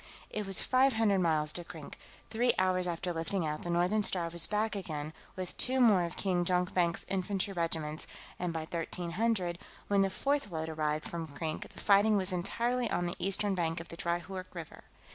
It was five hundred miles to Krink; three hours after lifting out, the Northern Star was back again, with two more of King Jonkvank's infantry regiments, and by 1300, when the fourth load arrived from Krink, the fighting was entirely on the eastern bank of the dry Hoork River.